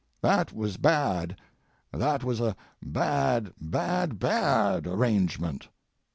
That was bad that was a bad, bad, bad arrangement.